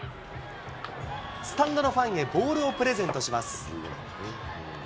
スタンドのファンへ、ボールをプレゼントします。